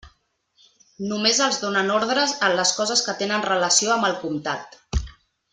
Només els donen ordres en les coses que tenen relació amb el comtat.